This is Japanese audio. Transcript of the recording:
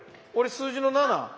俺数字の７。